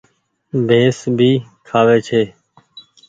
ڀيس ڀي کآوي ڇي۔